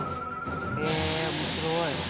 へえ面白い。